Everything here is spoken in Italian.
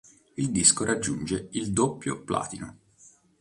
Il disco raggiunge il doppio platino.